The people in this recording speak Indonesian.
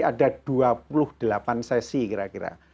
jadi ada dua puluh delapan sesi kira kira